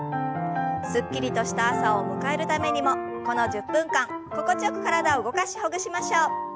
すっきりとした朝を迎えるためにもこの１０分間心地よく体を動かしほぐしましょう。